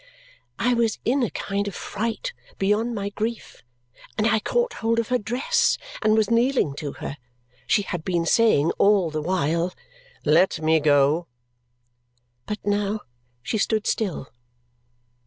I was in a kind of fright beyond my grief, and I caught hold of her dress and was kneeling to her. She had been saying all the while, "Let me go!" But now she stood still.